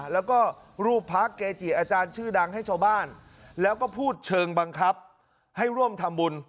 แล้วก็รูปพระเกจิอาจารย์ชื่อดังให้ชาวบ้านแล้วก็พูดเชิงบังคับให้ร่วมทำบุญ